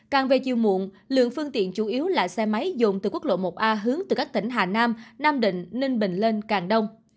càng về chiều muộn lượng phương tiện chủ yếu là xe máy dồn từ quốc lộ một a hướng từ các tỉnh hà nam nam định ninh bình lên càng đông